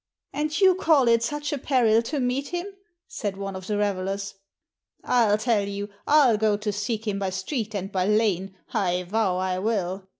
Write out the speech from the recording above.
"And you call it such a peril to meet him?" said one of the revelers. " I tell you I '11 go to seek him by street and by lane, I vow I will.